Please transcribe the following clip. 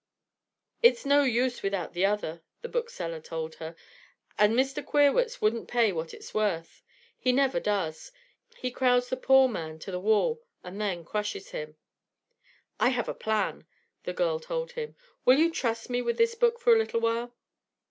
"It's no use without the other," the bookseller told her, "and Mr. Queerwitz wouldn't pay what it's worth. He never does. He crowds the poor man to the wall and then crushes him." "I have a plan," the girl told him. "Will you trust me with this book for a little while?"